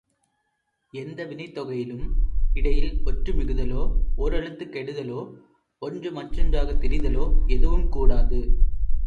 எந்த வினைத் தொகையிலும் இடையில் ஒற்று மிகுதலோ, ஓரெழுத்து கெடுதலோ, ஒன்று மற்றொன்றாகத் திரிதலோ எதுவும் கூடாது.